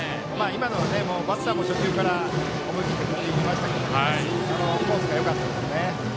今のはバッターも初球から思い切って振っていきましたがコースがよかったですね。